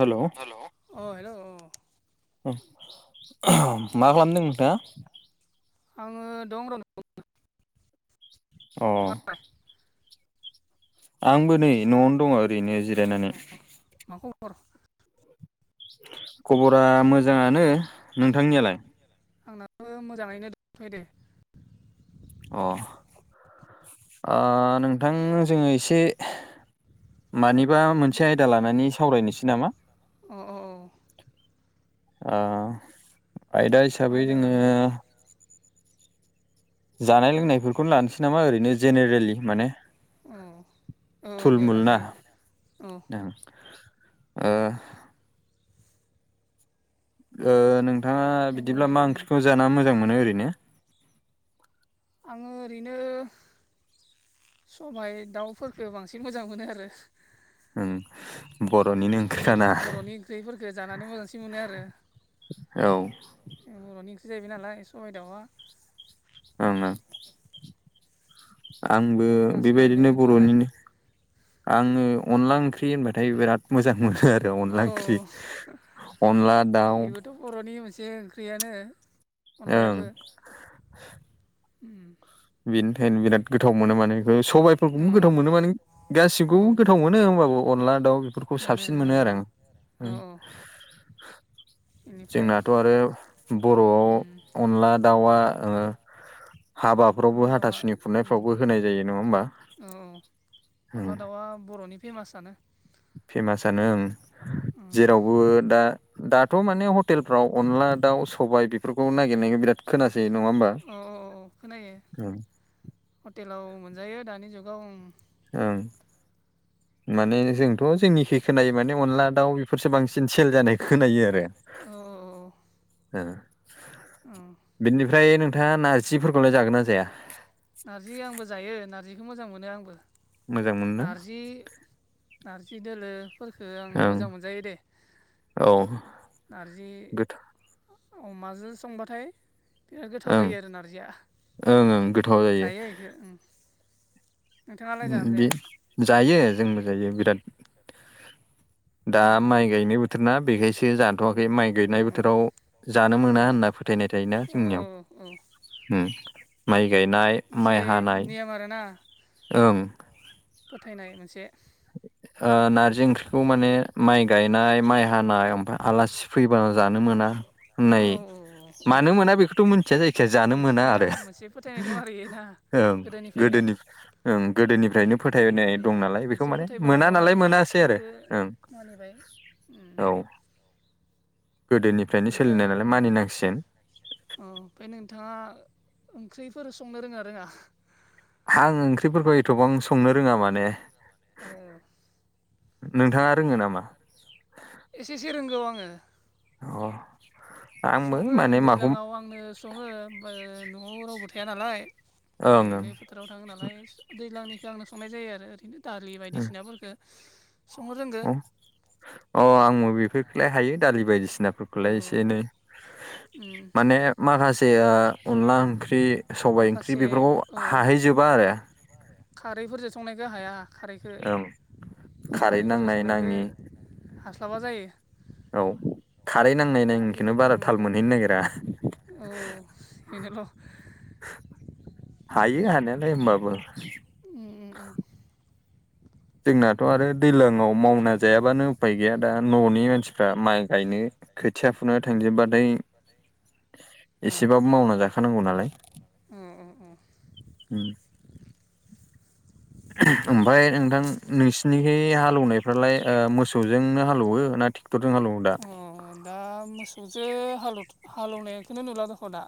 Hello hello अ hello अ मा खालामदों नोंथाङा? आङो दं र अ नोंथाङालाय आंबो नै न'आवनो दङ ओरैनो जिरायनानै मा खबर खबरा मोजाङानो नोंथांनियालाय आंनाबो मोजाङैनो दंथ'यो दे अ नोंथां जोङो एसे औ मानिबा मोनसे आयदा लानानै सावरायनोसै नामा अ अ औ आयदा हिसाबै आयदा जोङो लानो जानाय लोंनायफोरखौनो लानोसै नामा ओरैनो जेनेरेलि माने औ औ दे थुलमुल ना लाजायो औ नोंथाङा दे बिदिब्ला बुंलाय मा उम ओंख्रिखौ जाना मोजां मोनो ओरैनो आङो ओरैनो सबाय दाउफोरफोरखौ बांसिन मोजां मोनो आरो ओं बर'निनो ओंख्रिखाना बेफोरबायदि बर'नि ओंख्रिफोरखौ जानानै मोजांसिन मोनो आरो औ बर'नि ओंख्रि जाहैबाय नालाय सबाय दावा [unintelligible] आंबो बेखौ मोजांसिन मोनो बेबायदिनो नोंथाङालाय बर'निनो आङो अनला ओंख्रि होनबाथाय बिराद मोजां मोनो आरो बे अ अनला औ ओंख्रि अनला दाउ बेबोथ' बर'नि मोनसे ओंख्रियानो ओं अनलायाबो [unintelligible] बेनि थाखायनो बिराद गोथाव मोनो माने बे औ सबाइफोरखौनो गोथाव मोनो माने औ गासिखौबो गोथाव मोनो होमबाबो अनला दाउ फोरखौ साबसिन मोनो आरो आं ओं ओं औ बेनिफ्राय जोंनाथ' आरो बर'आव उम अनला दावा हा अनला हाबाफ्रावबो दाउआ हाथासुनि उम खुरनायफ्रावबो होनाय जायो नङा होमबा औ औ अनला दाउवा बर'नि फेमासानो फेमासानो ओं उम जेरावबो दा दाथ' माने हटेल फ्राव अनला दाउ सबाय बेफोरखौ नागिरनायखौ बिराद खोनासै नङा होमबा औ औ खोनायो ओं हटेलाव मोनजायो दानि जुगाव ओं माने जोंथ' जोंनिखै खोनायो माने अनला दाउ बेफोरसो बांसिन सेल जानाय खोनायो आरो औ औ औ औ बिनिफ्राय नोंथाङा नारजिफोरखौलाय जागोन ना जाया? नारजि आंबो जायो नारजिखौ मोजां मोनो आंबो मोजां मोनो नारजि नारजि दोलो फोरखो आं ओं मोजां मोनजायो दे औ नारजि गोथाव अमाजों संबाथाय बिराद गोथाव ओं जायो आरो नारजिया ओं ओं गोथाव जायो दे ओं बि जायो जोंबो जायो बिराद दा उम माइ गायनाय बोथोर ना बेखायसो जा थ'वाखै माइ गायनाय उम उम बोथोराव जानो मोना होनना औ फोथायनाय थायोना औ जोंनियाव औ माइ गायनाय माइ हानाय [unintelligible] आरो ना ओं फोथायनाय मोनसे नारजि ओंख्रिखौ माने माइ गायनाय माइ हानाय ओमफाय आलासि फैबा जानो मोना औ होननाय औ औ मानो मोना बेखौथ' मोनथिया जायखिया जानो मोना मिथिया आरो मोनसे फोथायनाय दं आरो ना ओं गोदोनिफ्रायनो गोनि ओं गोदोनिफ्रायनो फोथायनाय ए दं नालाय बे मोनसे फोथायबोनाय दं आरो ना बेखौ ओं मानिबाय औ गोदोनिफ्रायनो सोलिनाय नालाय मानिनांसिगोन। अ ओमफ्राय नोंथांङा ओंख्रिफोर संनो रोंङा आं ओंख्रिफोरखौ एथ'बां संनो रोंङा माने ओ नोंथांङा रोंङो नामा? एसेसे रोंगौ आंङो अ आंबो संङो आंङो माने माखौ दैज्लाङाव आं आंनो संङो न'आव रावबो थाया नालाय ओं माइ ओं गायनो बोथाराव थांङो नालाय दैज्लांनिखौ आंनो संनाय जायो आरो ओरैनो दालि बायदिसिनाफोरखो संनो रोंगोन ओं अ आंबो बेफोरखौलाय हायो दालि ओ बायदिसिनाफोरखौलाय एसे एनै उम माने माखासे अनला ओंख्रि सबायाइ ओंख्रि माखासे बेफोरखौ औ हाहैजोबा आरो खारैफोरजों संनायखौ हाया खारै ओं खारै खारैफोरजों नांनाय नाङि संनायखौ हास्लाबा जायो। औ खारै नांनाय नांङैखौनो बाखिफोरखौ बारा थाल ओं मोनहैनो नागिरा औ बेनोल' हायो हानायालाय होमबाबो उम उम उम जोंनाथ' आरो दैज्लांङाव मावना जायाबानो उफाय गैया दा न'नि मानसि फ्रा माइ गायनो खोथिया फुना थांजोबबाथाय एसेबाबो मावना जाखा खानांगौ नालाय अ अ औ उम ओमफफ्राय नोंथां नोंसिनिहाय हालौवनायफ्रालाय मोसौजोंनो हालौवो ना थि तेक्टरजों हालवो अ दा मोसौसो हाल हालौवनायखौनो नुला दख' दा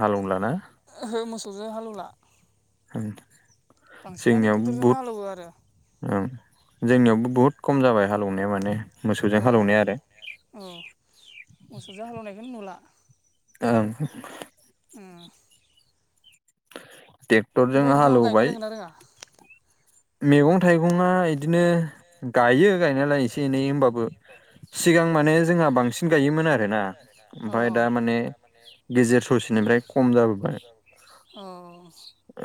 हालुंलााना ओहो मोसौजों हालेवला ओं बांसिनानो ट्रेक्टरजोंनो हालेवो आरो ओं जोंनियावबो बुहुद खम जाबाय हालेवनाया माने अ मोसौजों अ हालौवनाया आरो अ मोसौजो हालेवनायखौनो नुला ओं ओम ट्रेक्टरजों ओमफाय नोंथांङा गायनो हालौवबाय रोंङो ना रोंङा मैगं थाइगंआ बिदिनो गायो गायनायालाय एसे एनै होमबाबो सिगां माने जोंहा बांसिन गायोमोन आरोना औ ओमफाय दा माने गेजेर ससेनिफ्राय खम जाबोबाय औ ओ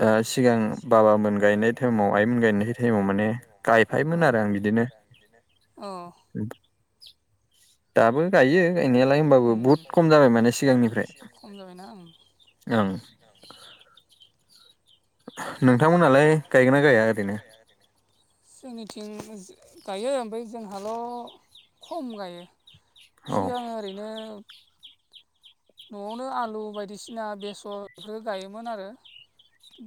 ओ सिगां बाबा मोन गायनाय टाइमाव आइमोन गायनाय टाइम गायनाय टाइमाव माने अ गायफायमोन आरो बिदिनो अ [unintelligible] गायो दाबो गायनायालाय गायो होमबाबो बुहुद खम जाबाय बहुद माने खम जाबाय माने सिगांनिफ्राय सिगां खम जाबायना ओं ओं नोंथांमोनहालाय गायगोना गाया ओरैनो? जोंनिथिं गायो ओमफ्राय जोंहाल' खम गायो। औ सिगां ओरैनो न'आवनो आलु बायदिसिना बेसरफोर गायोमोन आरो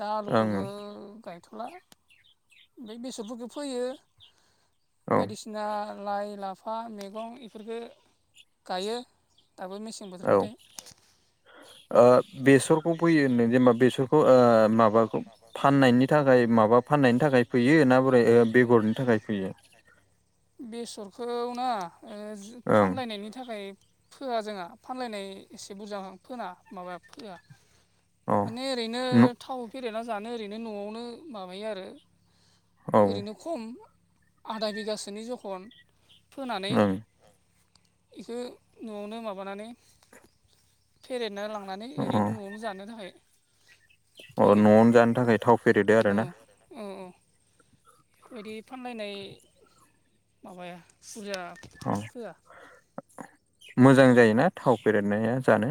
दा ओं आलुखौबो गायथ'ला ओमफ्राय बेसरफोरखौ फोयो औ बायदिसिना लाइ लाफा मैगं इफोरखो गायो दाबो मेसे औ बोथोरबाथाय ओ बेसरखौ फोयो होनदों जेनेबा बेसरखौ ओ माबाखौ फाननायनि नि थाखाय माबा फाननायनि थाखाय फैयो ना बोरै बेगरनि थाखाय फोयो बेसरखौ ना ओ जे ओं फानलायनायनि थाखाय फोआ जोंहा फानलायनाय एसे बुरजा फोना माबा फोआ अ माने ओरैनो थाव फेरेना जानो ओरैनो न'आवनो माबायो आरो औ ओं ओरैनो खम आधा बिगासोनि जखन फोनानै अ एखो न'आवनो माबानानै फेरेना लांनानै ओरैनो न'आवनो जानो थाखाय अ फोयो न'आवनो जानो थाखाय थाव फेरेदो आरो ना अ औ बेबायदि फानलायनाय माबाया बुरजा औ फोआ मोजां जायोना थाव फेरेदनाया जानो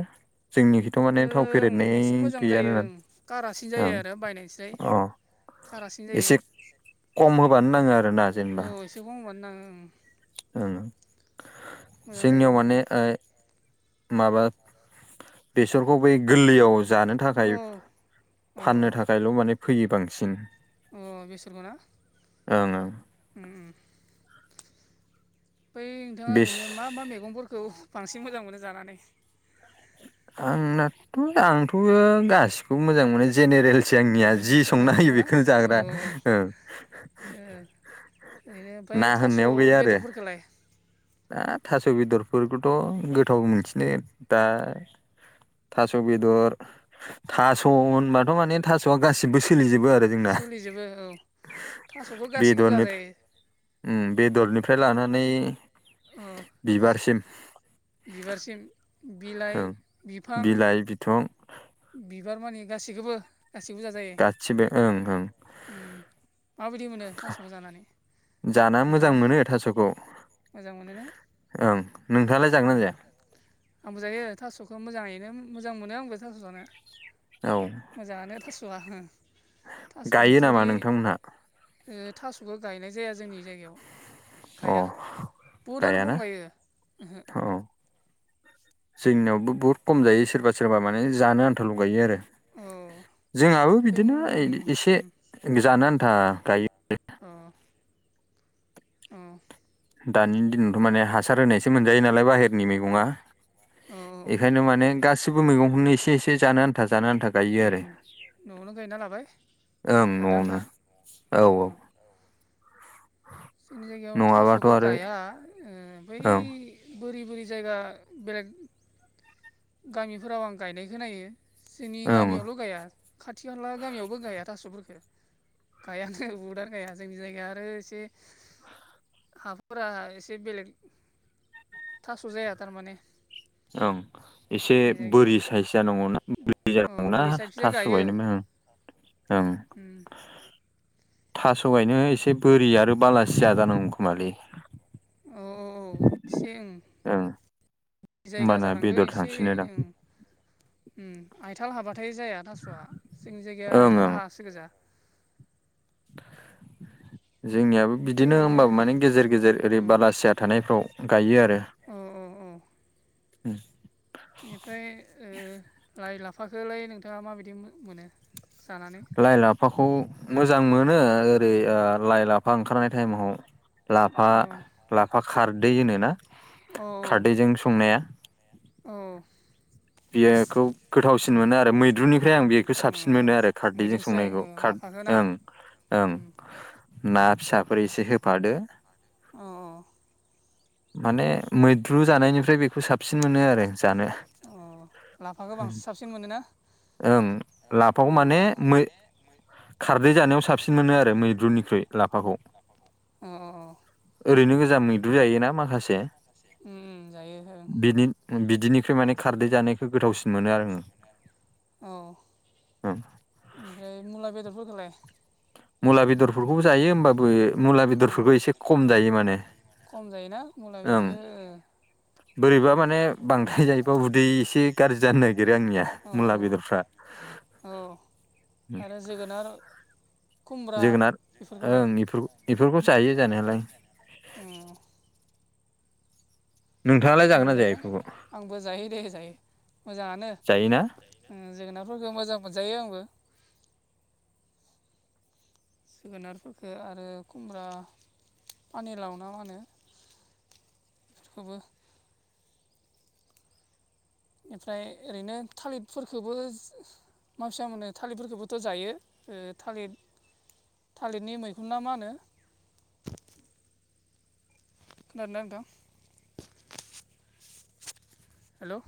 जोंनिखैथ' माने थाव फेरेदनाय ओं एसे मोजां जायो गैयाना ओं कारासिन जायो ओं आरो बायनायनिस्राय अ कारासिन जायो एसे खम होबानो नाङो आरोना जेनेबा मेगं होबानो नाङो ओं ओं मोजां जायो जोंनियाव माने ओ माबा बेसरखौ बै गोल्लैयाव जानो थाखाय ओं औ फाननो अ थाखायल' माने फैयो बांसिन अ बेसरखौ ना ओं ओं उम उम बै नोंथाङा बेस ओरैनो मा मा मैगंफोरखौ बांसिन मोजां मोनो जानानै? आंना आंथ' गासिखौबो मोजां मोनो जेनेरेलसै आंनिया मैगंखौ जि संना होयो मैगंखौना बेखौनो औ जाग्रा ओ ओं ओरैनो ना ओमफ्राय थास' होननायाव गैया आरो बेदरफोरखौलाय? दा थास' बेदरफोरखौथ' गोथाव मोनसिनो दा थास' बेदर थास' होनबाथ' माने थास'आ गासिबो सोलिजोबो आरो जोंना सोलिजोबो औ थास'खौ गासिखौबो बेदरनि जाजायो उम बेदरनिफ्राय लानानै अ बिबारसिम बिबारसिम बिलाइ ओं बिफां बिलाइ बिंथं बिबार मानि गासैखोबो गासिबो जाजायो गासिबो ओं ओं उम माबायदि मोनो थासखौ जानानै जाना मोजां नोंथाङा मोनो थास'खौ मोजां मोनो ना ओं नोंथाङालाय जागोन ना जाया आंबोजायो थास'खौ मोजाङैनो मोजां मोनो आंबो थास' जानो औ मोजाङानो थास'आ ओ थासु गायो नामा बिथुरि नोंथांमोनहा ओ थास'खौ गायनाय जाया जोंनि जायगायाव अ गाया बहुदआनो गायाना खम गायो ओहो औ जोंनियावबो बुहुत खम जायो सोरबा सोरबा माने जानो आन्था ल' गायो आरो औ जोंहाबो जों बिदिनो उम एसे उम जानो आन्था गायो अ अ औ दानि दिनावथ' माने हासार होनायसो मोनजायो नालाय बाहेरनि मैगङा औ एखायनो माने गासिबो मैगंखौनो एसे एसे जानो आन्था जानो आन्था गायो आरो उम न'आवनो गायना लाबाय ओं जानो न'आवनो आन्था औ ओ औ जोंनि जायगायाव नङाबाथ' थास'खौ आरो गाया ओ बै ओं बोरि बोरि जायगा बेलेग गामिफोराव आं गायनाय खोनायो जोंनि ओं गामियावल' गाया खाथि खाला गामियावबो गाया थास'फोरखो गायानो बहुदानो‌ गाया जोंनि जायगाया आरो एसे हाफोरा एसे बेलेग थास' जाया थारमाने ओं एसे जोंनि जायगायाव बोरि साइज जानांगौना बोरि औ जानांगौना बोरै साइडखिजाय थास' गायो गायनोबो ओं ओं उम थास' गायनो एसे बोरि आरो बालासिया जानांगौ खोमालै औ औ औ एसे ओं ओं जायगा होमबाना जानांगो बेदर एसे थांसिनोदां ओं उम आयथाल हाबाथाय जाया थास'आ जोंनि जायगाया ओं आइथाल ओं हायासो गोजा [inaudible] जोंनियाबो ओमफ्राय बिदिनो ओरैनो होमबाबो माने गेजेर गेजेर ओरै बालासिया थानायफ्राव गायो आरो अ अ अ उम बेनिफ्राय ओ लाइ लाफाखोलाय नोंथाङा माबायदि मो मोनो जानानै लाइ लाफाखौ मोजां मोनो ओरै ओ‌ लाइ लाफा ओंखारनाय टाइमाव लाफा अ लाफा खारदै होनोना औ खारदैजों संनाया औ [unintelligible] गोथावसिन मोनो आरो मैद्रुनि ओमफ्राय आं बेखौ साबसिन मोनो आरो खारदैजों बिदिनोसै संनाय खार लाफाखौ ना ओं ओं ना फिसाफोर एसे होफादो अ माने मैद्रु जानायनिफ्राय बेखौ साबसिन मोनो आरो जानो अ लाफाखौ बांसिन साबसिन मोनोना ओम लाफाखौ अ माने मै- खारदै जानायाव साबसिन मोनो आरो मैद्रुनिख्रुइ लाफाखौ ओरैनो गोजा मै गोजा मैद्रु जायोना माखासे उम उम जायो ओं बिनि बिदि बिदिनिख्रुइ माने खारदै बिदिनिफ्राय माने जानायखौ खारै गोथावसिन जानायखो मोनो आरो गोथावसिन मोनो आरो अह आं ओमफ्राय मुला बेदरफोरखौलाय मुला बेदरफोरखौबो जायो होमबाबो मुला बेदरफोरखौ एसे खम जायो माने खम जायोना मुला ओं बेदरखो बोरैबा माने बांद्राय जायोबा उदै एसे गाज्रि जानो नागिरो आंनिया औ मुला औ बेदरफ्रा [inaudible] औ आरो जोगोनार खुमब्रा जोगोनार बेफोरखौलाय ओं बेफोरखौ जायो जा जायो जानाया अ नोंथाङालाय गोथाव जागोन ना जाया मोनजायोना बेफोरखौ आंबो जायो दे जायो मोजाङानो जायोना जोगोनारफोरखो मोजां मोनजायो आंबो जोगोनारफोरखो आरो खुमब्रा पानि लाव ना मा होनो बेखौबो ओमफ्राय ओरैनो थालिरफोरखोबो मा फिसा मोनो थालिरफोरखौबोथ' जायो ओ थालिर थालिरनि मैखुन ना मा होनो खोनादों ना नोंथां हेलौ